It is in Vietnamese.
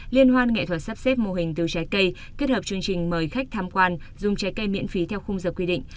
liên hoan nghệ thuật sắp xếp mô hình từ trái cây kết hợp chương trình mời khách tham quan dùng trái cây miễn phí theo khung giờ quy định